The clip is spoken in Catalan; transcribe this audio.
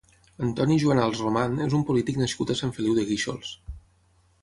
Antoni Juanals Roman és un polític nascut a Sant Feliu de Guíxols.